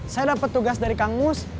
saya dapat tugas dari kang mus